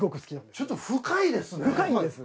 ちょっと深いですね。